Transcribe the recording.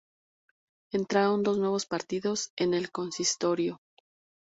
Entraron dos nuevos partidos en el consistorio.